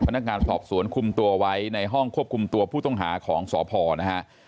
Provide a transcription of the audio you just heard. พนักงานสอบสวนคุมตัวไว้ในห้องควบคุมตัวผู้ต้องหาของสพนะฮะ